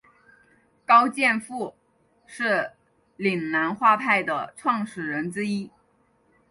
高剑父是岭南画派的创始人之一。